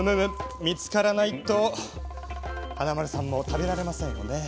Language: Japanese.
見つからないと華丸さんも食べられませんよね。